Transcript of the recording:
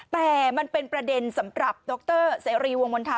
แต่มันเป็นประเด็นสำหรับดรเสรีวงมณฑา